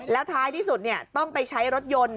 แล้วท้ายที่สุดต้องไปใช้รถยนต์